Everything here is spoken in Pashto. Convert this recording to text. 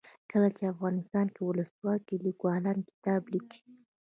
کله چې افغانستان کې ولسواکي وي لیکوالان کتاب لیکي.